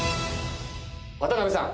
渡邉さん。